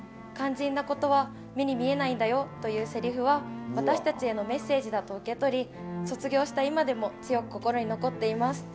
肝心なことは目に見えないんだよ」というせりふは私たちへのメッセージだと受け取り卒業した今でも強く心に残っています。